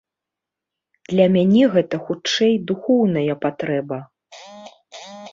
Для мяне гэта, хутчэй, духоўная патрэба.